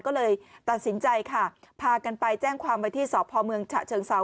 ก็เลยตัดสินใจผ่ากันไปแจ้งความว่าที่สอบฐานพลเมืองฉะเชิงเซา